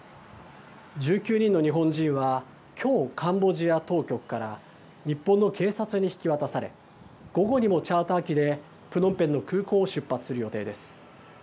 １９人の日本人はきょう、カンボジア当局から日本の警察に引き渡され、午後にもチャーター機でプノンペンの空港を出発する予定です。